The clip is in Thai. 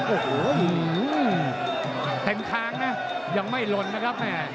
โอ้โหแถมคางนะยังไม่ลนนะครับ